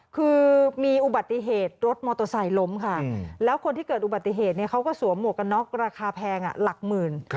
คือมีอุบัติเหตุรถมอเตอร์ไซค์ล้มค่ะแล้วคนที่เกิดอุบัติเหตุเขาก็สวมหมวกกันน็อกราคาแพงหลักหมื่น